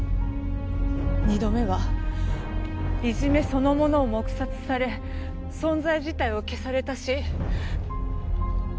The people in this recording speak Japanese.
２度目はいじめそのものを黙殺され存在自体を消された死。